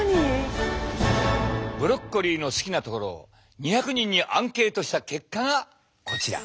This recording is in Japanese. ブロッコリーの好きなところを２００人にアンケートした結果がこちら。